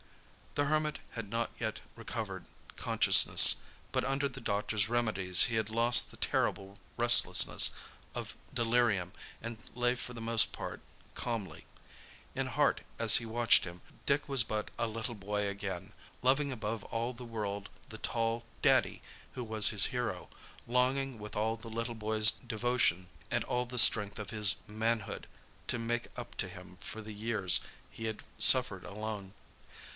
The Hermit had not yet recovered consciousness, but under the doctor's remedies he had lost the terrible restlessness of delirium and lay for the most part calmly. In heart, as he watched him, Dick was but a little boy again, loving above all the world the tall "Daddy" who was his hero—longing with all the little boy's devotion and all the strength of his manhood to make up to him for the years he had suffered alone.